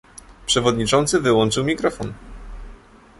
Przewodniczący wyłączył mikrofon